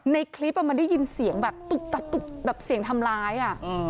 ในคลิปมันได้ยินเสียงแบบตุ๊บตับตุ๊บแบบเสียงทำร้าย